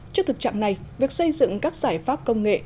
trước thực trạng này việc xây dựng các giải pháp công nghệ